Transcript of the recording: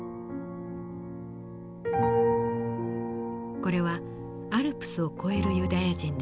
これはアルプスを越えるユダヤ人です。